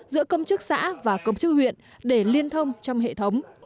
giữa công chức xã và công chức huyện để liên thông trong hệ thống